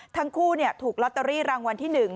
ทั้งคู่เนี่ยถูกลอตเตอรี่รางวัลที่หนึ่ง